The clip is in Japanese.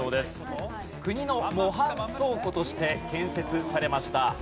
国の模範倉庫として建設されました。